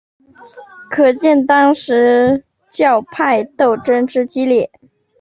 可见当时教派斗争之激烈。